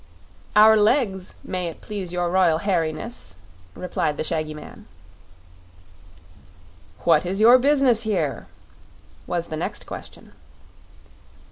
"Our legs, may it please your Royal Hairiness," replied the shaggy man. "What is your business here?" was the next question.